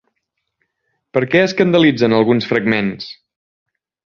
Per què escandalitzen alguns fragments?